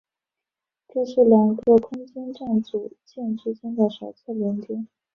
这是两个空间站组件之间的首次连接。